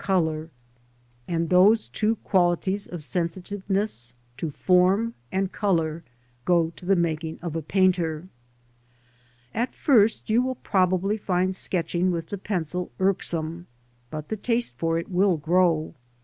colour, and those two qualities of sensitiveness to form and colour go to the making of a painter. At first you will probably find sketching with the pencil irksome, but the taste for it will grow.